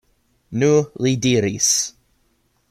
Nu, li diris.